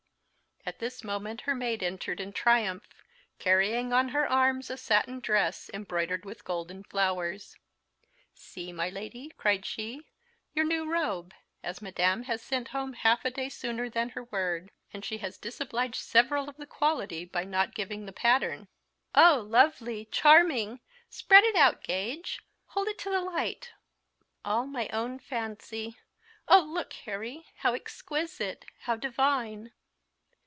At this moment her maid entered in triumph, carrying on her arms a satin dress, embroidered with gold and flowers. "See, my Lady," cried she, "your new robe, as Madame has sent home half a day sooner than her word; and she has disobliged several of the quality by not giving the pattern." "Oh, lovely! charming! Spread it out, Gage; hold it to the light; all my own fancy. Only look, Harry; how exquisite! how divine!"